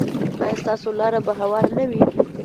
ایا ستاسو لاره به هواره نه وي؟